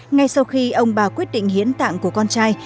ngay sau khi ông bà quyết định hiến tạng của con trai